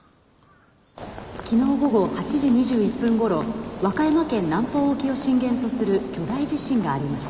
「昨日午後８時２１分ごろ和歌山県南方沖を震源とする巨大地震がありました。